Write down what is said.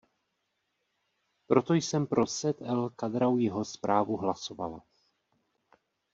Proto jsem pro Saïd El Khadraouiho zprávu hlasovala.